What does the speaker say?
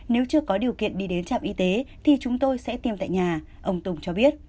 nếu chưa có điều kiện đi đến trạm y tế thì chúng tôi sẽ tiêm tại nhà ông tùng cho biết